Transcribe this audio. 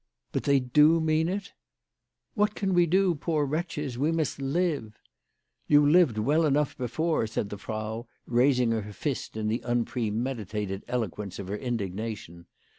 "But they do mean it?" " What can we do, poor wretches ? We must live." "You lived well enough before," said the Frau, raising her fist in the unpremeditated eloquence of her indignation.